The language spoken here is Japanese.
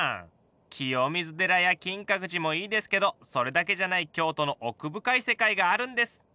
清水寺や金閣寺もいいですけどそれだけじゃない京都の奥深い世界があるんです。